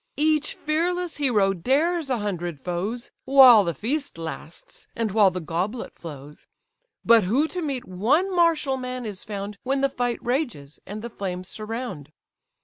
Each fearless hero dares a hundred foes, While the feast lasts, and while the goblet flows; But who to meet one martial man is found, When the fight rages, and the flames surround?